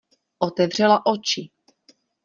Otevřela oči.